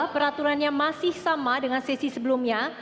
peraturannya masih sama dengan sesi sebelumnya